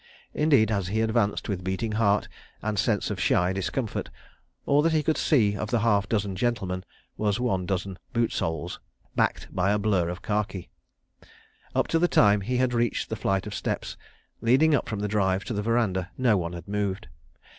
Indeed, as he advanced with beating heart and sense of shy discomfort, all that he could see of the half dozen gentlemen was one dozen boot soles backed by a blur of khaki. Up to the time he had reached the flight of steps, leading up from the drive to the verandah, no one had moved.